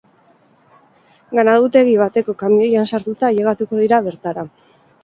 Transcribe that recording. Ganadutegi bateko kamioian sartuta ailegatuko dira bertara.